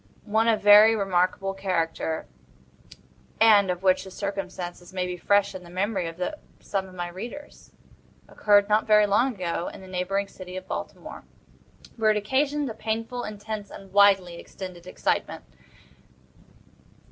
One of very remarkable character, and of which the circumstances may be fresh in the memory of some of my readers, occurred, not very long ago, in the neighboring city of Baltimore, where it occasioned a painful, intense, and widely extended excitement.